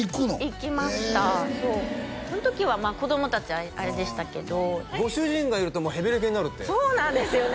行きましたそうその時は子供達はあれでしたけどご主人がいるともうへべれけになるってそうなんですよね